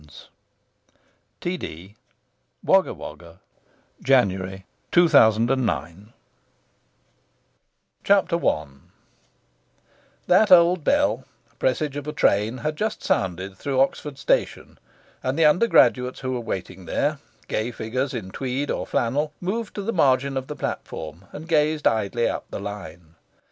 ILLI ALMAE MATRI ZULEIKA DOBSON I That old bell, presage of a train, had just sounded through Oxford station; and the undergraduates who were waiting there, gay figures in tweed or flannel, moved to the margin of the platform and gazed idly up the line.